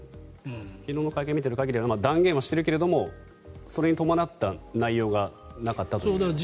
昨日の会見を見ている限り断言はしているけれどそれに伴った内容がなかったということですね。